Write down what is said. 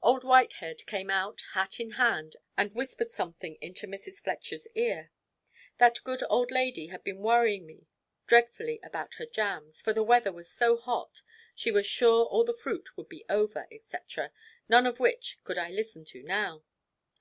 Old Whitehead came out, hat in hand, and whispered something into Mrs. Fletcher's ear. That good old lady had been worrying me dreadfully about her jams, for the weather was so hot, she was sure all the fruit would be over, &c., none of which could I listen to now.